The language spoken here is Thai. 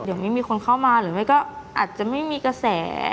เดี๋ยวนี้มีคนเข้ามาหรือไม่ก็อาจจะไม่มีกระแส